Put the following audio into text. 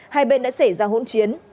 hai bên đã xảy ra hỗn chiến